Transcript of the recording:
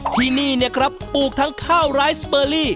ที่นี่เนี่ยครับปลูกทั้งข้าวรายสเปอรี่